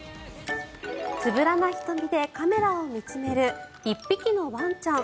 つぶらな瞳でカメラを見つめる１匹のワンちゃん。